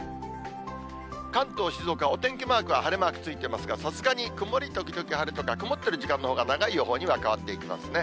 関東、静岡、お天気マークは晴れマークついていますが、さすがに曇り時々晴れとか、曇ってる時間のほうが長い予報には変わっていきますね。